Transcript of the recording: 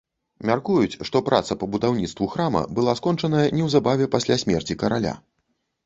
Мяркуюць, што праца па будаўніцтву храма была скончаная неўзабаве пасля смерці караля.